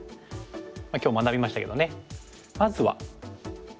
今日学びましたけどねまずは。